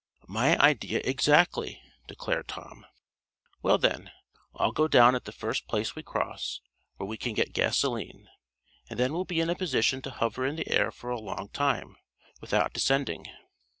"My idea, exactly," declared Tom. "Well, then, I'll go down at the first place we cross, where we can get gasoline, and then we'll be in a position to hover in the air for a long time, without descending."